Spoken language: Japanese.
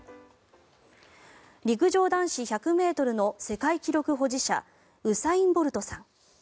陸上男子１００ｍの世界記録保持者ウサイン・ボルトさん。